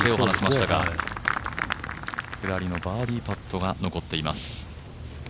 ただ下りのバーディーパットが残っています。